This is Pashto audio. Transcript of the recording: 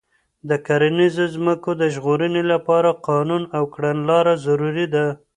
د کرنیزو ځمکو د ژغورنې لپاره قانون او کړنلاره ضروري ده.